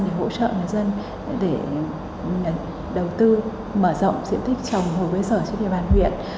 để hỗ trợ người dân để đầu tư mở rộng diện tích trồng hồi với sở trên địa bàn huyện